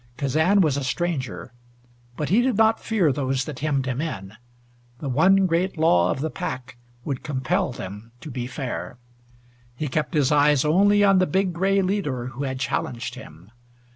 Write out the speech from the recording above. Kazan was a stranger, but he did not fear those that hemmed him in. The one great law of the pack would compel them to be fair. He kept his eyes only on the big gray leader who had challenged him.